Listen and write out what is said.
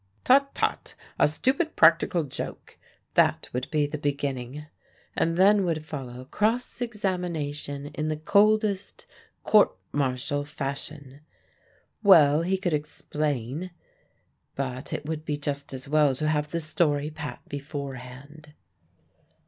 "Tut, tut a stupid practical joke " that would be the beginning; and then would follow cross examination in the coldest court martial fashion. Well, he could explain; but it would be just as well to have the story pat beforehand.